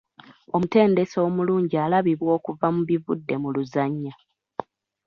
Omutendesi omulungi alabibwa okuva mu bivudde mu luzannya.